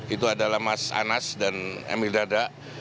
itu adalah mas anas dan emil dada